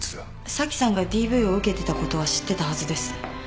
紗季さんがＤＶを受けてたことは知ってたはずです。